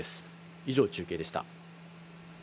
以上、中継でした。